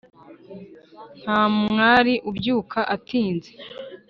Nta mwali ubyuka atinze